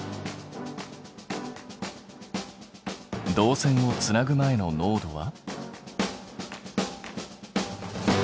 導線をつなぐ前の濃度は？